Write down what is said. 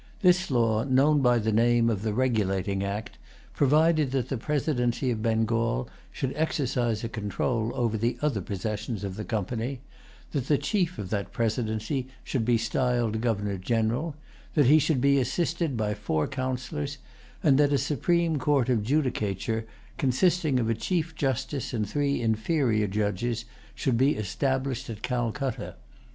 This law, known by the name of the Regulating Act, provided that the presidency of Bengal should exercise a control over the other possessions of the Company; that the chief of that presidency should be styled Governor General; that he should be assisted by four Councillors; and that a supreme court of judicature, consisting of a chief justice and three inferior judges, should be established at Calcutta.